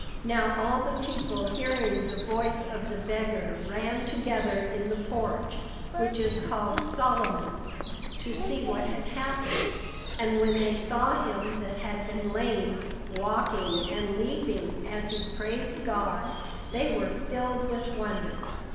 Now all the people hearing the voice of the beggar ran together in the porch, which is called Solomon's, to see what had happened; and when they saw him that had been lame, walking and leaping as he praised God, they were filled with wonder.